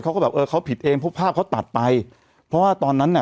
เขาก็แบบเออเขาผิดเองเพราะภาพเขาตัดไปเพราะว่าตอนนั้นน่ะ